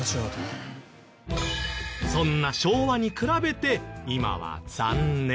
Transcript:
そんな昭和に比べて今は残念。